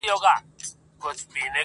زما پښتون زما ښايسته اولس ته.